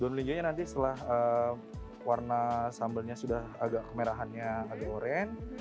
daun linjonya nanti setelah warna sambalnya sudah agak kemerahannya agak oren